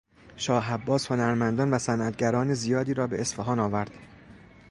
شاه عباس هنرمندان و صنعتگران زیادی را به اصفهان آورد.